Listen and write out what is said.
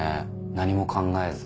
何も考えず。